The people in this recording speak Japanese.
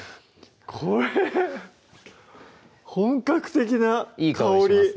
これ本格的な香り